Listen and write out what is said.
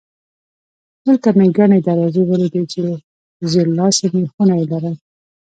دلته مې ګڼې دروازې ولیدې چې ژېړ لاسي مېخونه یې لرل.